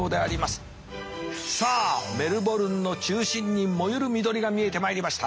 さあメルボルンの中心にもゆる緑が見えてまいりました。